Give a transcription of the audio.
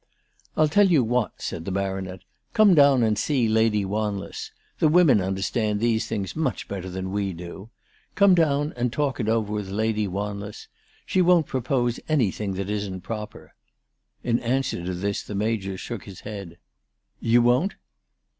"I'll tell you what," said the Baronet. "Come down and see Lady Wanless. The women understand these things much better than we do. Come down and talk it over with Lady Wanless. She won't propose anything that isn't proper." In answer to this the Major shook his head. " You won't